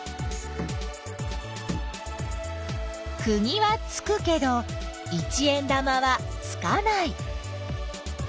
くぎはつくけど一円玉はつかない。